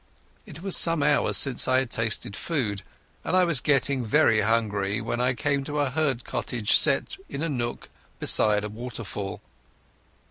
It was some hours since I had tasted food, and I was getting very hungry when I came to a herd's cottage set in a nook beside a waterfall.